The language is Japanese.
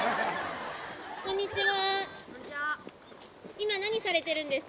こんにちは！